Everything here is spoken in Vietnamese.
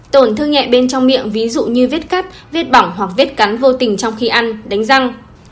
tổn thương nhẹ bên trong miệng ví dụ như vết cắt vết bỏng hoặc vết cắn vô tình trong khi ăn đánh răng